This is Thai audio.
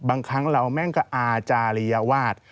บางครั้งเราก็อาจารยวาด